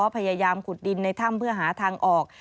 พยายามขุดดินในถ้ำเพื่อหาทางออก